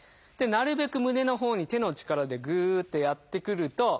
なるべく胸のほうに手の力でぐってやってくると。